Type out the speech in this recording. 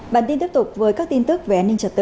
bản tin tiếp tục với các tin tức về an ninh trật tự